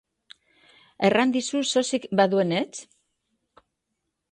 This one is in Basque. Erran dizu sosik baduenetz?